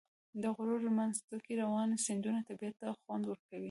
د غرونو منځ کې روانې سیندونه طبیعت ته خوند ورکوي.